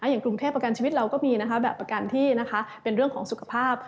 อย่างกรุงเทพประกันชีวิตเราก็มีแบบประกันที่เป็นเรื่องของสุขภาพ